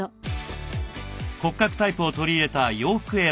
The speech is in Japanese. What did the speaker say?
骨格タイプを取り入れた洋服選び。